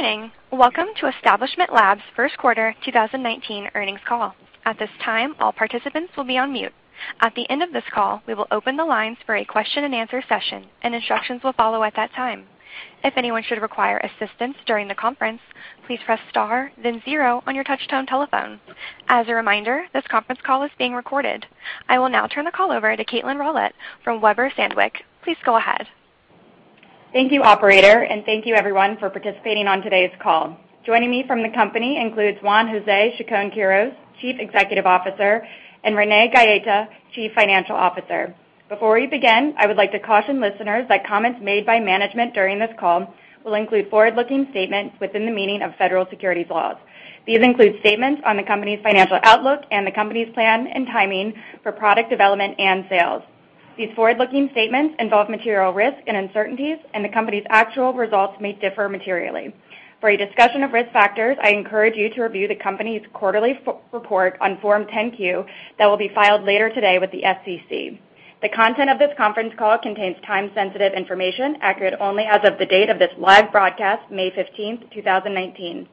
Good morning. Welcome to Establishment Labs' First Quarter 2019 Earnings Call. At this time, all participants will be on mute. At the end of this call, we will open the lines for a question and answer session, and instructions will follow at that time. If anyone should require assistance during the conference, please press star then zero on your touchtone telephone. As a reminder, this conference call is being recorded. I will now turn the call over to Kaitlyn Rawlett from Weber Shandwick. Please go ahead. Thank you, operator. Thank you everyone for participating on today's call. Joining me from the company includes Juan José Chacón-Quirós, Chief Executive Officer, and Renee Gaeta, Chief Financial Officer. Before we begin, I would like to caution listeners that comments made by management during this call will include forward-looking statements within the meaning of federal securities laws. These include statements on the company's financial outlook and the company's plan and timing for product development and sales. These forward-looking statements involve material risks and uncertainties. The company's actual results may differ materially. For a discussion of risk factors, I encourage you to review the company's quarterly report on Form 10-Q that will be filed later today with the SEC. The content of this conference call contains time-sensitive information, accurate only as of the date of this live broadcast, May 15th, 2019.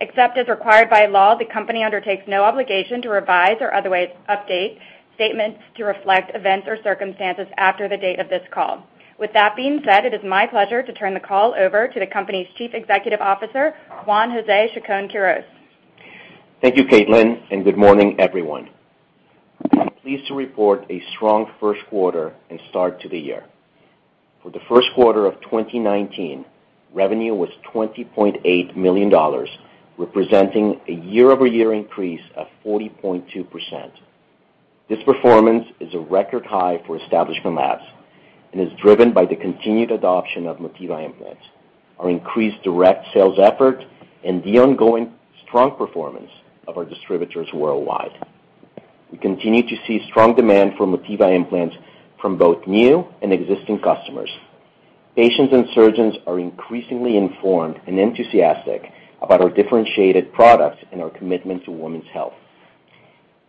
Except as required by law, the company undertakes no obligation to revise or otherwise update statements to reflect events or circumstances after the date of this call. With that being said, it is my pleasure to turn the call over to the company's Chief Executive Officer, Juan José Chacón-Quirós. Thank you, Kaitlyn. Good morning, everyone. I'm pleased to report a strong first quarter and start to the year. For the first quarter of 2019, revenue was $20.8 million, representing a year-over-year increase of 40.2%. This performance is a record high for Establishment Labs and is driven by the continued adoption of Motiva Implants, our increased direct sales effort, and the ongoing strong performance of our distributors worldwide. We continue to see strong demand for Motiva Implants from both new and existing customers. Patients and surgeons are increasingly informed and enthusiastic about our differentiated products and our commitment to women's health.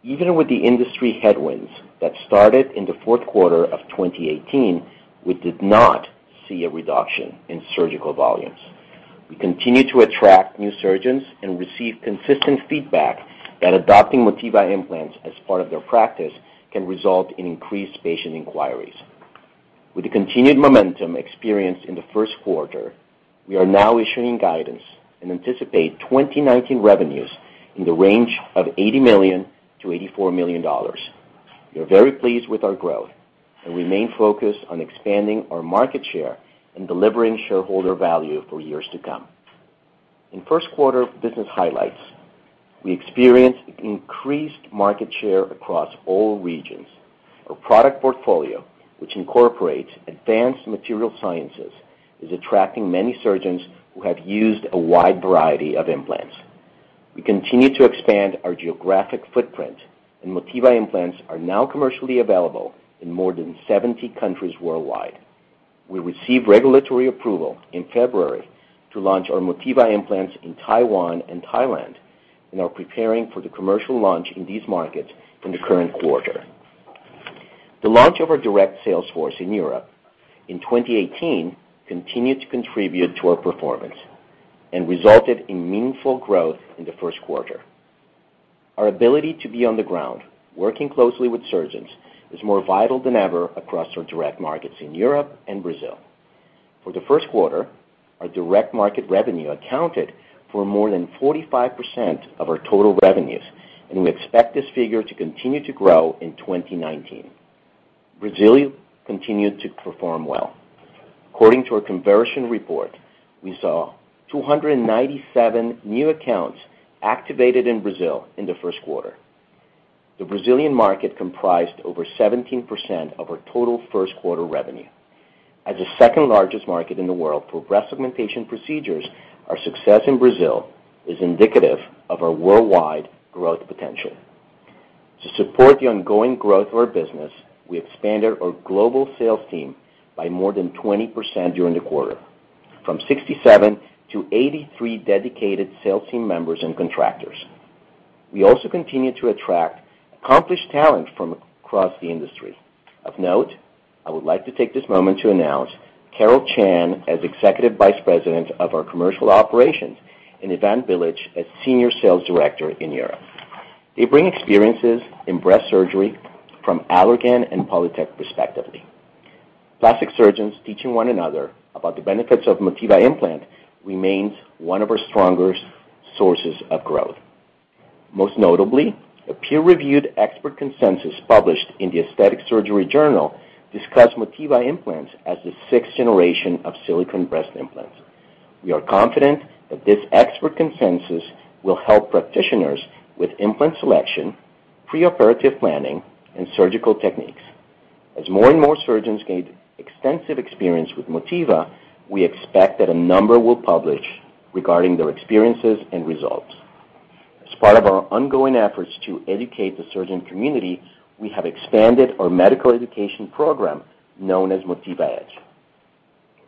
Even with the industry headwinds that started in the fourth quarter of 2018, we did not see a reduction in surgical volumes. We continue to attract new surgeons and receive consistent feedback that adopting Motiva Implants as part of their practice can result in increased patient inquiries. With the continued momentum experienced in the first quarter, we are now issuing guidance and anticipate 2019 revenues in the range of $80 million - $84 million. We are very pleased with our growth and remain focused on expanding our market share and delivering shareholder value for years to come. In first quarter business highlights, we experienced increased market share across all regions. Our product portfolio, which incorporates advanced material sciences, is attracting many surgeons who have used a wide variety of implants. We continue to expand our geographic footprint, and Motiva Implants are now commercially available in more than 70 countries worldwide. We received regulatory approval in February to launch our Motiva Implants in Taiwan and Thailand and are preparing for the commercial launch in these markets in the current quarter. The launch of our direct sales force in Europe in 2018 continued to contribute to our performance and resulted in meaningful growth in the first quarter. Our ability to be on the ground, working closely with surgeons, is more vital than ever across our direct markets in Europe and Brazil. For the first quarter, our direct market revenue accounted for more than 45% of our total revenues, and we expect this figure to continue to grow in 2019. Brazil continued to perform well. According to our conversion report, we saw 297 new accounts activated in Brazil in the first quarter. The Brazilian market comprised over 17% of our total first quarter revenue. As the second-largest market in the world for breast augmentation procedures, our success in Brazil is indicative of our worldwide growth potential. To support the ongoing growth of our business, we expanded our global sales team by more than 20% during the quarter, from 67 to 83 dedicated sales team members and contractors. We also continue to attract accomplished talent from across the industry. Of note, I would like to take this moment to announce Carole Chan as Executive Vice President of Commercial Operations and Ivan Bilic as Senior Sales Director in Europe. They bring experiences in breast surgery from Allergan and Polytech, respectively. Plastic surgeons teaching one another about the benefits of Motiva implant remains one of our strongest sources of growth. Most notably, a peer-reviewed expert consensus published in the "Aesthetic Surgery Journal" discussed Motiva Implants as the sixth generation of silicone breast implants. We are confident that this expert consensus will help practitioners with implant selection, preoperative planning, and surgical techniques. As more and more surgeons gain extensive experience with Motiva, we expect that a number will publish regarding their experiences and results. As part of our ongoing efforts to educate the surgeon community, we have expanded our medical education program known as MotivaEDGE.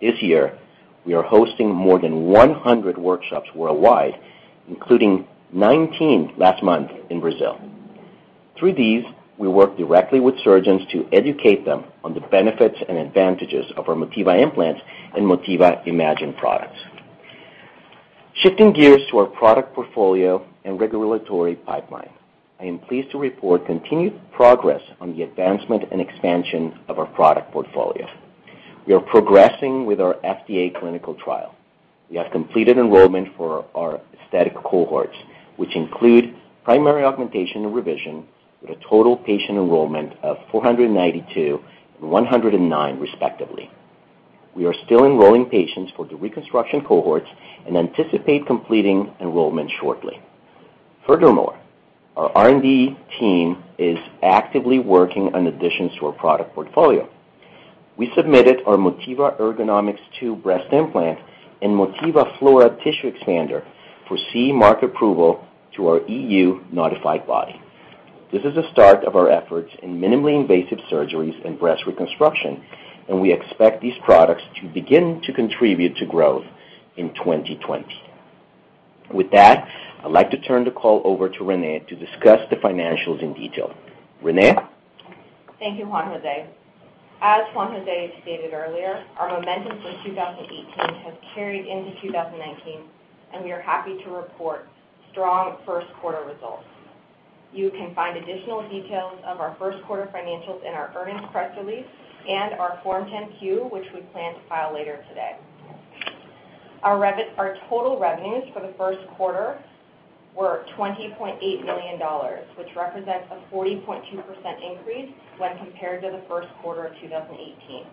This year, we are hosting more than 100 workshops worldwide, including 19 last month in Brazil. Through these, we work directly with surgeons to educate them on the benefits and advantages of our Motiva Implants and MotivaImagine products. Shifting gears to our product portfolio and regulatory pipeline, I am pleased to report continued progress on the advancement and expansion of our product portfolio. We are progressing with our FDA clinical trial. We have completed enrollment for our aesthetic cohorts, which include primary augmentation and revision with a total patient enrollment of 492 and 109 respectively. We are still enrolling patients for the reconstruction cohorts and anticipate completing enrollment shortly. Furthermore, our R&D team is actively working on additions to our product portfolio. We submitted our Motiva Ergonomix Two breast implant and Motiva Flora tissue expander for CE mark approval to our EU notified body. This is the start of our efforts in minimally invasive surgeries and breast reconstruction, and we expect these products to begin to contribute to growth in 2020. With that, I'd like to turn the call over to Renee to discuss the financials in detail. Renee? Thank you, Juan José. As Juan José stated earlier, our momentum from 2018 has carried into 2019. We are happy to report strong first quarter results. You can find additional details of our first quarter financials in our earnings press release and our Form 10-Q, which we plan to file later today. Our total revenues for the first quarter were $20.8 million, which represents a 40.2% increase when compared to the first quarter of 2018.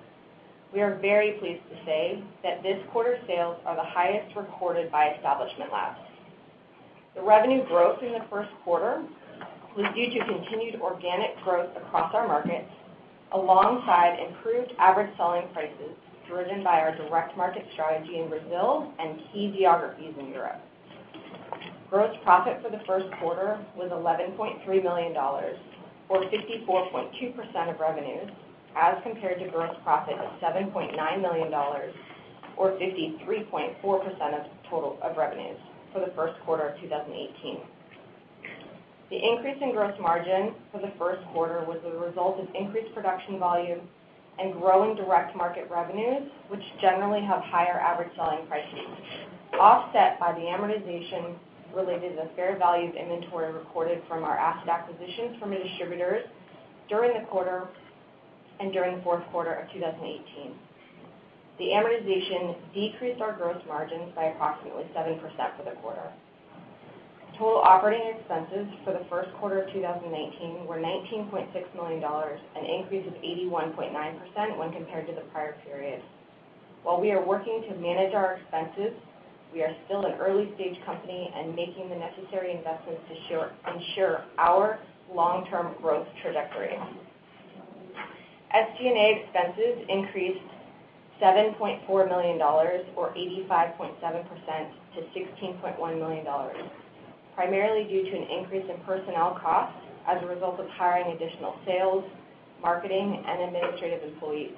We are very pleased to say that this quarter's sales are the highest recorded by Establishment Labs. The revenue growth in the first quarter was due to continued organic growth across our markets alongside improved average selling prices driven by our direct market strategy in Brazil and key geographies in Europe. Gross profit for the first quarter was $11.3 million, or 64.2% of revenues, as compared to gross profit of $7.9 million, or 53.4% of revenues for the first quarter of 2018. The increase in gross margin for the first quarter was the result of increased production volume and growing direct market revenues, which generally have higher average selling prices, offset by the amortization related to the fair value of inventory recorded from our asset acquisitions from distributors during the quarter and during the fourth quarter of 2018. The amortization decreased our gross margins by approximately 7% for the quarter. Total operating expenses for the first quarter of 2019 were $19.6 million, an increase of 81.9% when compared to the prior period. While we are working to manage our expenses, we are still an early-stage company and making the necessary investments to ensure our long-term growth trajectory. SG&A expenses increased $7.4 million, or 85.7%, to $16.1 million, primarily due to an increase in personnel costs as a result of hiring additional sales, marketing, and administrative employees,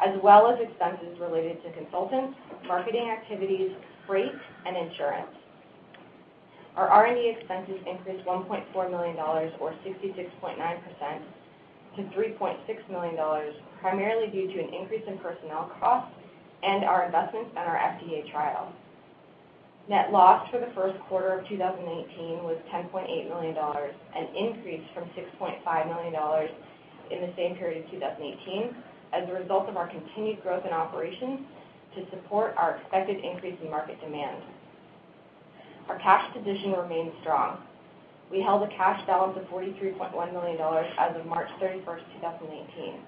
as well as expenses related to consultants, marketing activities, freight, and insurance. Our R&D expenses increased $1.4 million, or 66.9%, to $3.6 million, primarily due to an increase in personnel costs and our investments in our FDA trial. Net loss for the first quarter of 2019 was $10.8 million, an increase from $6.5 million in the same period in 2018 as a result of our continued growth in operations to support our expected increase in market demand. Our cash position remains strong. We held a cash balance of $43.1 million as of March 31st, 2019.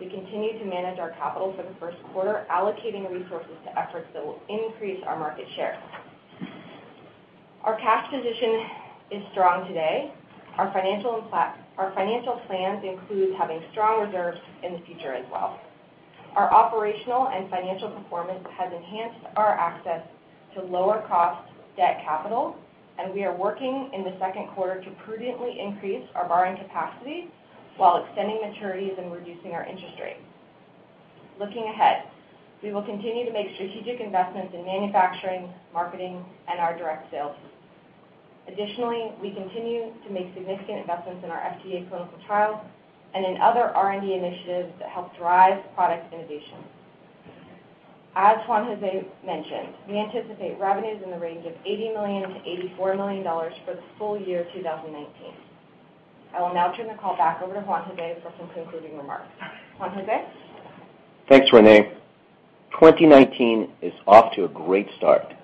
We continued to manage our capital for the first quarter, allocating resources to efforts that will increase our market share. Our cash position is strong today. Our financial plans include having strong reserves in the future as well. Our operational and financial performance has enhanced our access to lower-cost debt capital. We are working in the second quarter to prudently increase our borrowing capacity while extending maturities and reducing our interest rates. Looking ahead, we will continue to make strategic investments in manufacturing, marketing, and our direct sales. Additionally, we continue to make significant investments in our FDA clinical trial and in other R&D initiatives that help drive product innovation. As Juan José mentioned, we anticipate revenues in the range of $80 million-$84 million for the full year 2019. I will now turn the call back over to Juan José for some concluding remarks. Juan José? Thanks, Renee. 2019 is off to a great start.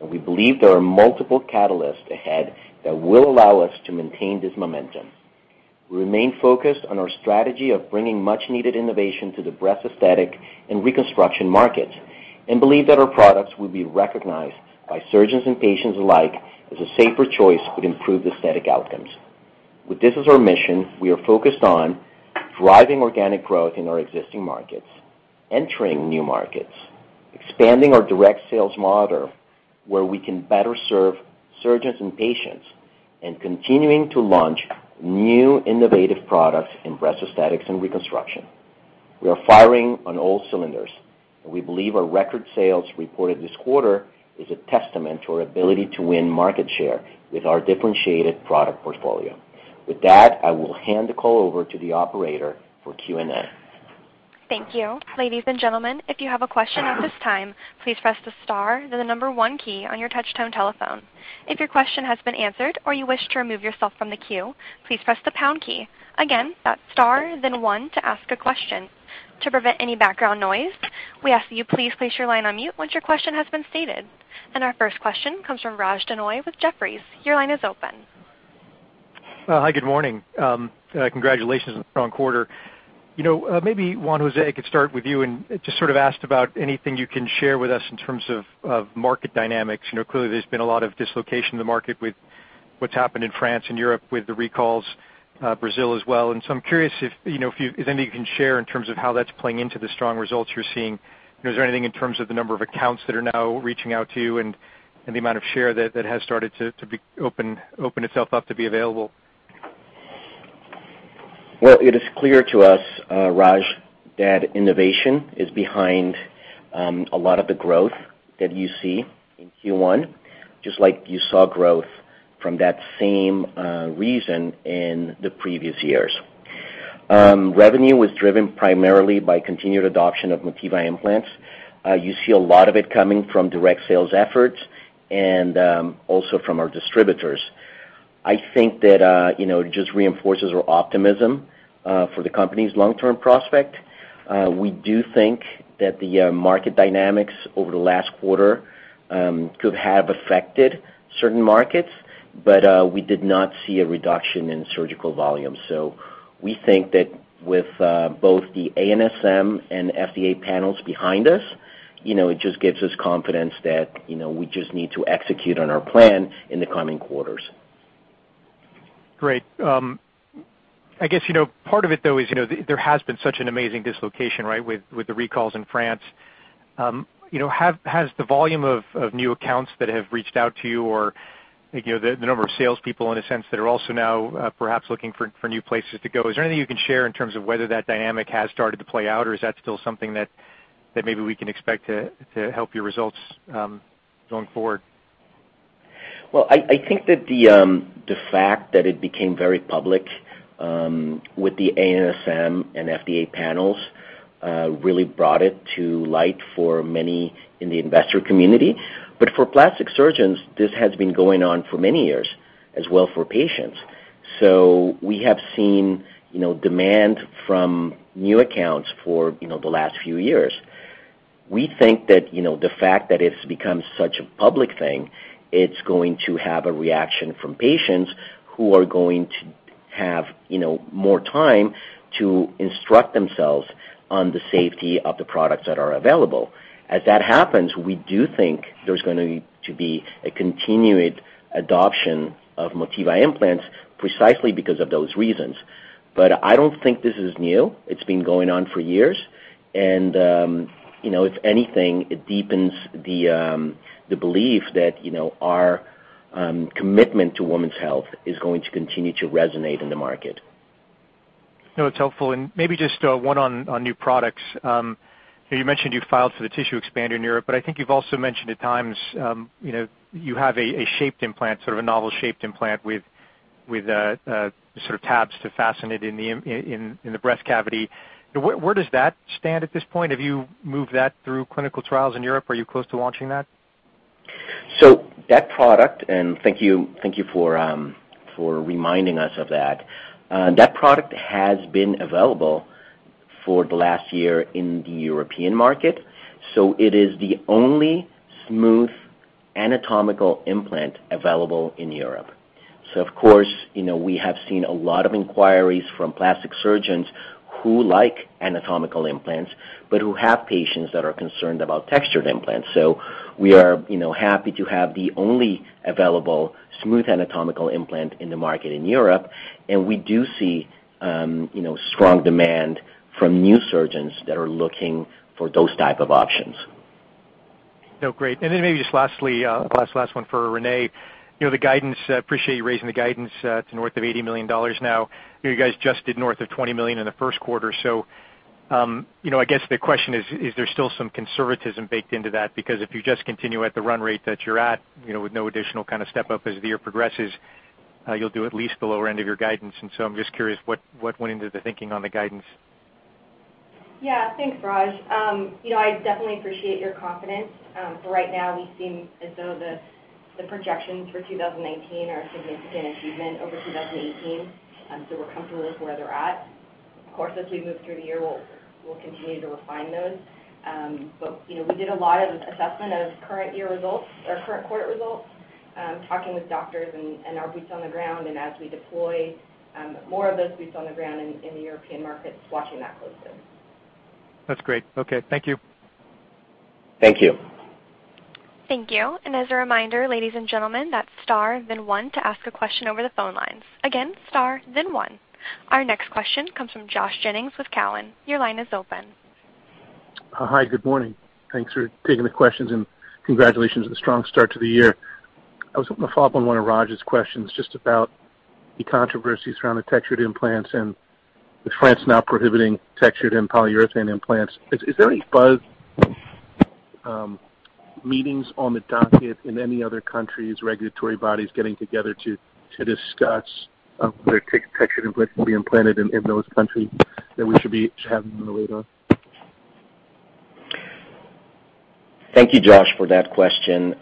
We believe there are multiple catalysts ahead that will allow us to maintain this momentum. We remain focused on our strategy of bringing much-needed innovation to the breast aesthetic and reconstruction market and believe that our products will be recognized by surgeons and patients alike as a safer choice with improved aesthetic outcomes. With this as our mission, we are focused on driving organic growth in our existing markets, entering new markets, expanding our direct sales model where we can better serve surgeons and patients, and continuing to launch new innovative products in breast aesthetics and reconstruction. We are firing on all cylinders, and we believe our record sales reported this quarter is a testament to our ability to win market share with our differentiated product portfolio. With that, I will hand the call over to the operator for Q&A. Thank you. Ladies and gentlemen, if you have a question at this time, please press the star, then the number one key on your touch-tone telephone. If your question has been answered or you wish to remove yourself from the queue, please press the pound key. Again, that's star, then one to ask a question. To prevent any background noise, we ask that you please place your line on mute once your question has been stated. Our first question comes from. Your line is open. Hi, good morning. Congratulations on a strong quarter. Maybe Juan José, I could start with you and just sort of ask about anything you can share with us in terms of market dynamics. Clearly there's been a lot of dislocation in the market with what's happened in France and Europe with the recalls, Brazil as well. I'm curious if there's anything you can share in terms of how that's playing into the strong results you're seeing. Is there anything in terms of the number of accounts that are now reaching out to you and the amount of share that has started to open itself up to be available? Well, it is clear to us, Raj, that innovation is behind a lot of the growth that you see in Q1, just like you saw growth from that same reason in the previous years. Revenue was driven primarily by continued adoption of Motiva Implants. You see a lot of it coming from direct sales efforts and also from our distributors. I think that it just reinforces our optimism for the company's long-term prospect. We do think that the market dynamics over the last quarter could have affected certain markets, but we did not see a reduction in surgical volume. We think that with both the ANSM and FDA panels behind us, it just gives us confidence that we just need to execute on our plan in the coming quarters. Great. I guess part of it though, is there has been such an amazing dislocation with the recalls in France. Has the volume of new accounts that have reached out to you or the number of salespeople in a sense that are also now perhaps looking for new places to go, is there anything you can share in terms of whether that dynamic has started to play out, or is that still something that maybe we can expect to help your results going forward? Well, I think that the fact that it became very public with the ANSM and FDA panels really brought it to light for many in the investor community. For plastic surgeons, this has been going on for many years, as well for patients. We have seen demand from new accounts for the last few years. We think that the fact that it's become such a public thing, it's going to have a reaction from patients who are going to have more time to instruct themselves on the safety of the products that are available. As that happens, we do think there's going to be a continued adoption of Motiva Implants precisely because of those reasons. I don't think this is new. It's been going on for years. If anything, it deepens the belief that our commitment to women's health is going to continue to resonate in the market. No, it's helpful. Maybe just one on new products. You mentioned you filed for the tissue expander in Europe, but I think you've also mentioned at times you have a shaped implant, sort of a novel shaped implant with sort of tabs to fasten it in the breast cavity. Where does that stand at this point? Have you moved that through clinical trials in Europe? Are you close to launching that? That product, thank you for reminding us of that. That product has been available for the last year in the European market. It is the only smooth anatomical implant available in Europe. Of course, we have seen a lot of inquiries from plastic surgeons who like anatomical implants, but who have patients that are concerned about textured implants. We are happy to have the only available smooth anatomical implant in the market in Europe, and we do see strong demand from new surgeons that are looking for those type of options. No, great. Maybe just lastly, last one for Renee. The guidance, appreciate you raising the guidance to north of $80 million now. You guys just did north of $20 million in the first quarter. I guess the question is there still some conservatism baked into that? Because if you just continue at the run rate that you're at with no additional kind of step-up as the year progresses, you'll do at least the lower end of your guidance. I'm just curious what went into the thinking on the guidance. Yeah. Thanks, Raj. I definitely appreciate your confidence. For right now, we seem as though the projections for 2019 are a significant achievement over 2018. We're comfortable with where they're at. Of course, as we move through the year, we'll continue to refine those. We did a lot of assessment of current year results or current quarter results, talking with doctors and our boots on the ground, and as we deploy more of those boots on the ground in the European markets, watching that closely. That's great. Okay. Thank you. Thank you. Thank you. As a reminder, ladies and gentlemen, that's star then one to ask a question over the phone lines. Again, star then one. Our next question comes from Josh Jennings with Cowen. Your line is open. Hi, good morning. Thanks for taking the questions, and congratulations on the strong start to the year. I was hoping to follow up on one of Raj's questions just about the controversies around the textured implants and with France now prohibiting textured and polyurethane implants. Is there any buzz, meetings on the docket in any other countries, regulatory bodies getting together to discuss whether textured implants will be implanted in those countries that we should be having on the radar? Thank you, Josh, for that question.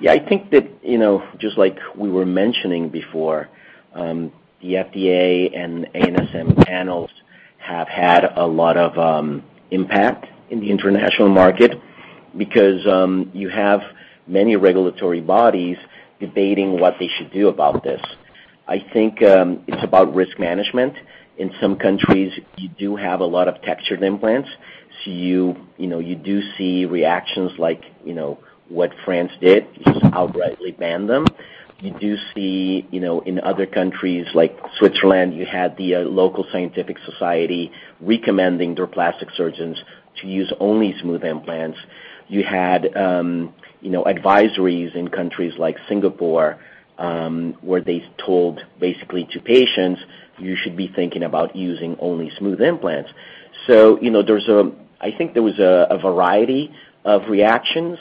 Yeah, I think that, just like we were mentioning before, the FDA and ANSM panels have had a lot of impact in the international market because you have many regulatory bodies debating what they should do about this. I think it's about risk management. In some countries, you do have a lot of textured implants. You do see reactions like what France did, just outrightly ban them. You do see in other countries like Switzerland, you had the local scientific society recommending their plastic surgeons to use only smooth implants. You had advisories in countries like Singapore, where they told basically to patients, you should be thinking about using only smooth implants. I think there was a variety of reactions,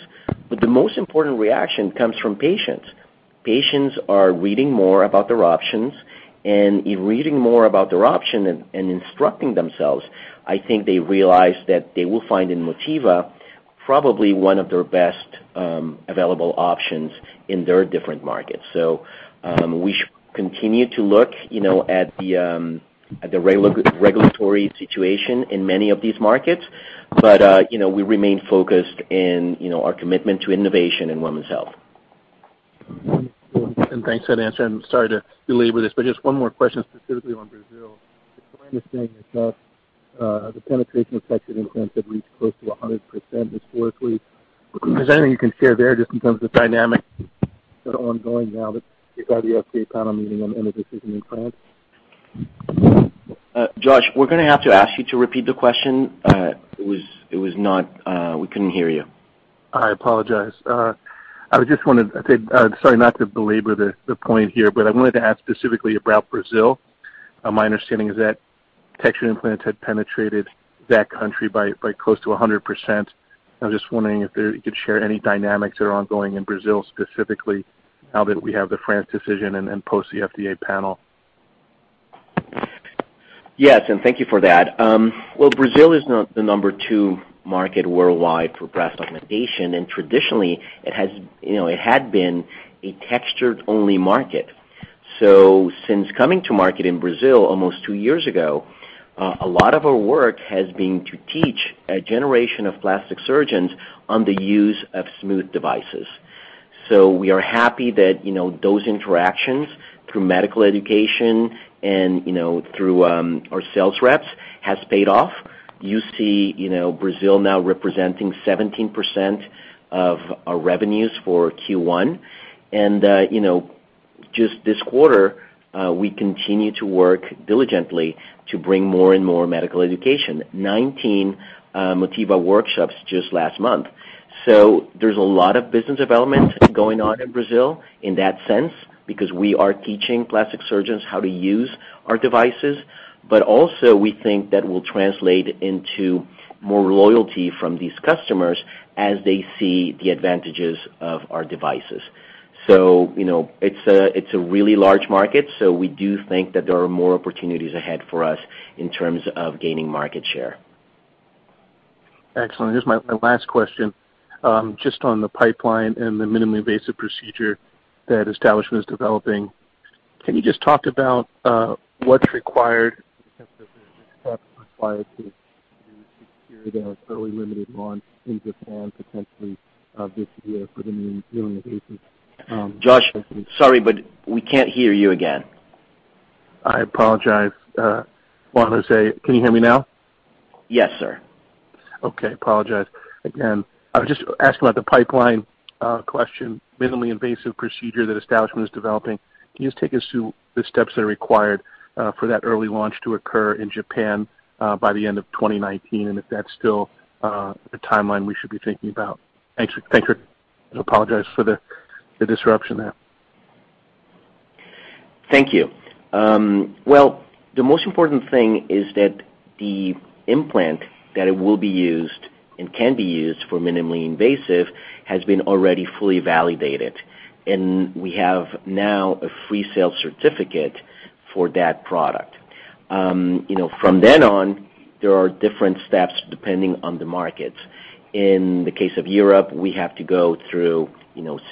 but the most important reaction comes from patients. Patients are reading more about their options, and in reading more about their option and instructing themselves, I think they realize that they will find in Motiva probably one of their best available options in their different markets. We should continue to look at the regulatory situation in many of these markets. We remain focused in our commitment to innovation and women's health. Thanks for that answer, and sorry to believe this, but just one more question specifically on Brazil. My understanding is the penetration of textured implants have reached close to 100% historically. Is there anything you can share there just in terms of dynamics that are ongoing now regarding the FDA panel meeting and the decision in France? Josh, we're going to have to ask you to repeat the question. We couldn't hear you. I apologize. I just wanted to say, sorry, not to belabor the point here, I wanted to ask specifically about Brazil. My understanding is that textured implants had penetrated that country by close to 100%. I'm just wondering if you could share any dynamics that are ongoing in Brazil specifically now that we have the France decision and post the FDA panel. Yes, thank you for that. Well, Brazil is the number two market worldwide for breast augmentation. Traditionally it had been a textured-only market. Since coming to market in Brazil almost two years ago, a lot of our work has been to teach a generation of plastic surgeons on the use of smooth devices. We are happy that those interactions through medical education and through our sales reps has paid off. You see Brazil now representing 17% of our revenues for Q1. Just this quarter, we continue to work diligently to bring more and more medical education, 19 Motiva workshops just last month. There's a lot of business development going on in Brazil in that sense because we are teaching plastic surgeons how to use our devices. Also we think that will translate into more loyalty from these customers as they see the advantages of our devices. It's a really large market, we do think that there are more opportunities ahead for us in terms of gaining market share. Excellent. This is my last question. Just on the pipeline and the minimally invasive procedure that Establishment is developing, can you just talk about what's required to secure that early limited launch in Japan potentially this year for the minimally invasive- Josh, sorry, but we can't hear you again. I apologize. Juan José, can you hear me now? Yes, sir. Okay. Apologize again. I was just asking about the pipeline question, minimally invasive procedure that Establishment is developing. Can you just take us through the steps that are required for that early launch to occur in Japan by the end of 2019 and if that's still the timeline we should be thinking about? Thanks. I apologize for the disruption there. Thank you. Well, the most important thing is that the implant that it will be used and can be used for minimally invasive has been already fully validated. We have now a free sales certificate for that product. There are different steps depending on the market. In the case of Europe, we have to go through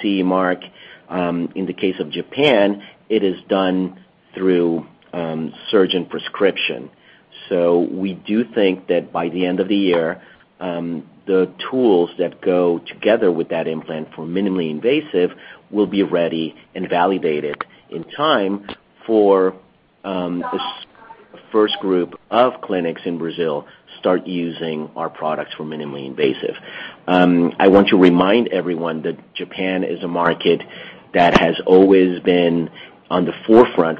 CE Mark. In the case of Japan, it is done through surgeon prescription. We do think that by the end of the year, the tools that go together with that implant for minimally invasive will be ready and validated in time for the first group of clinics in Brazil start using our products for minimally invasive. I want to remind everyone that Japan is a market that has always been on the forefront.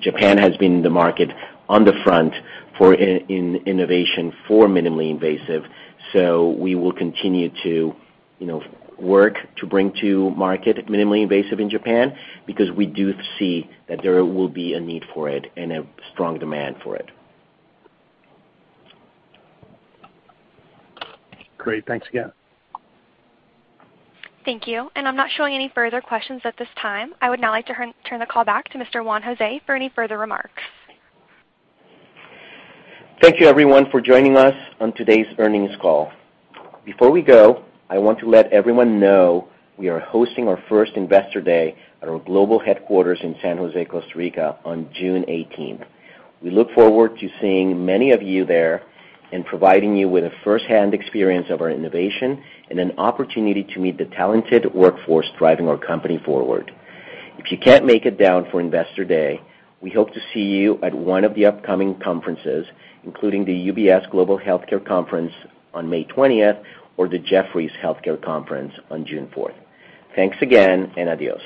Japan has been the market on the front for innovation for minimally invasive. We will continue to work to bring to market minimally invasive in Japan because we do see that there will be a need for it and a strong demand for it. Great. Thanks again. Thank you. I'm not showing any further questions at this time. I would now like to turn the call back to Mr. Juan José for any further remarks. Thank you everyone for joining us on today's earnings call. Before we go, I want to let everyone know we are hosting our first Investor Day at our global headquarters in San Jose, Costa Rica on June 18th. We look forward to seeing many of you there and providing you with a first-hand experience of our innovation and an opportunity to meet the talented workforce driving our company forward. If you can't make it down for Investor Day, we hope to see you at one of the upcoming conferences, including the UBS Global Healthcare Conference on May 20th or the Jefferies Healthcare Conference on June 4th. Thanks again, and adios.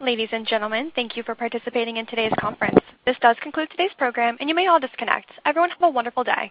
Ladies and gentlemen, thank you for participating in today's conference. This does conclude today's program, and you may all disconnect. Everyone have a wonderful day.